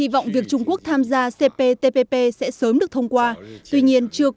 vâng xin cảm ơn chị anh thư